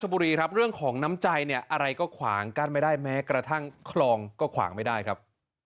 บุรีครับเรื่องของน้ำใจเนี่ยอะไรก็ขวางกั้นไม่ได้แม้กระทั่งคลองก็ขวางไม่ได้ครับ